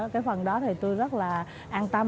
cái phần đó thì tôi rất là an tâm